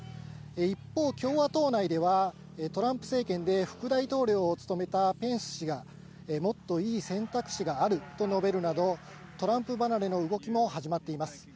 一方、共和党内ではトランプ政権で副大統領を務めたペンス氏は、もっと良い選択肢があると述べるなど、トランプ離れた動きも始まっています。